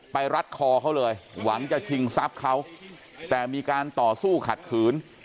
รัดคอเขาเลยหวังจะชิงทรัพย์เขาแต่มีการต่อสู้ขัดขืน